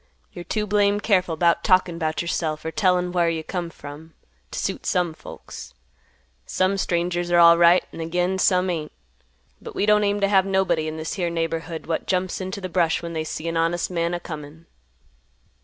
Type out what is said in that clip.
You're too blame careful 'bout talkin' 'bout yourself, or tellin' whar you come from, t' suit some folks. Some strangers are alright, an' again some ain't. But we don't aim t' have nobody in this here neighborhood what jumps into th' brush when they see an honest man a comin'."